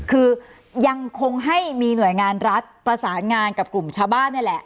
คือยังคงให้มีหน่วยงานรัฐประสานงานกับกลุ่มชาวบ้านนี่แหละ